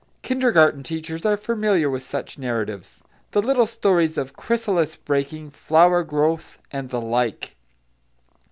Kindergarten teachers are familiar with such narratives: the little stories of chrysalis breaking, flower growth, and the like.